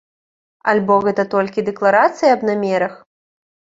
Альбо гэта толькі дэкларацыі аб намерах?